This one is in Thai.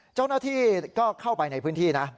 เจ้าหน้าที่ก็เข้าไปในพื้นที่นะ